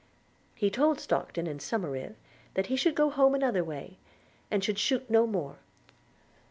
He told Stockton and Somerive, that he should go home another way, and should shoot no more.